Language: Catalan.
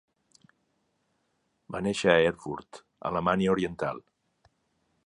Va néixer a Erfurt, Alemanya Oriental.